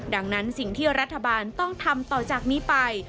ดังนั้นสิ่งที่รัฐบาลต้องทำต่อจากนี้ไป